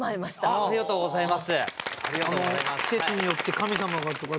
ありがとうございます。